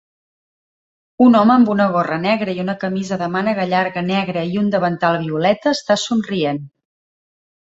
Un home amb una gorra negra i una camisa de mànega llarga negra i un davantal violeta està somrient.